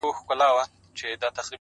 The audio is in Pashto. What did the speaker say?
د کلي مسجد غږ د وخت اندازه بدلوي،